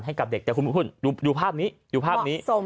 ให้กับเด็กแต่คุณคุณคุณดูภาพนี้